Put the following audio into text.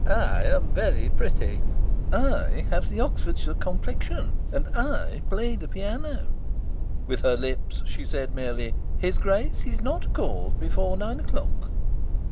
"I am very pretty. I have the Oxfordshire complexion. And I play the piano." With her lips she said merely, "His Grace is not called before nine o'clock."